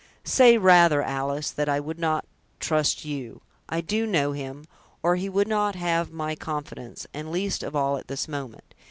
"Say, rather, Alice, that I would not trust you. I do know him, or he would not have my confidence, and least of all at this moment.